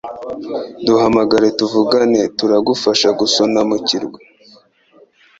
Duhamagare tuvugane turagufasha gusonamukirwa